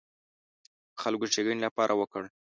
خلکو ښېګڼې لپاره وکړ.